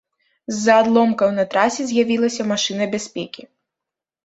З-за адломкаў на трасе з'явілася машына бяспекі.